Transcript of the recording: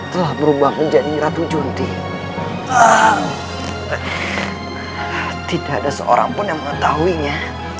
telah berubah menjadi ratu junti tidak ada seorang pun yang mengetahuinya